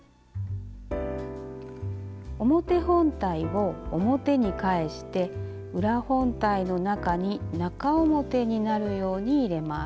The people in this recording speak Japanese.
表本体を表に返して裏本体の中に中表になるように入れます。